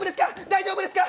大丈夫ですか？